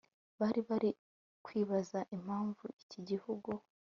bari bari kwibaza impamvu iki gihugu